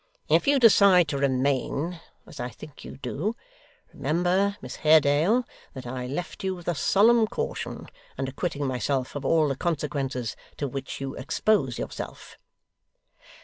If you decide to remain (as I think you do), remember, Miss Haredale, that I left you with a solemn caution, and acquitting myself of all the consequences to which you expose yourself.